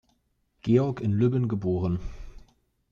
Georg, in Lübben geboren.